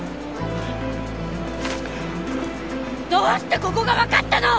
どうしてここがわかったの！？